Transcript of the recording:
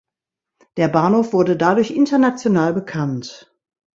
Der Bahnhof wurde dadurch international bekannt.